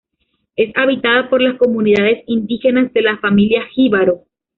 Es habitada por las comunidades indígenas de la familia Jíbaro.